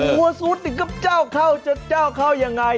โอ้โฮสุดอยู่กับเจ้าข้าวเจ้าข้าวยังไง